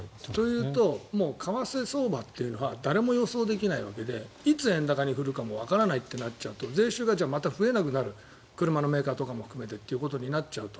というと為替相場というのは誰も予想できないわけでいつ円高に振れるかもわからないとなると税収がまた増えなくなる車のメーカーとかも含めてとなっちゃうと